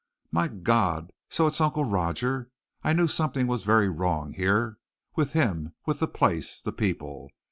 "My God! So it's Uncle Roger! I knew something was very wrong here with him, with the place, the people.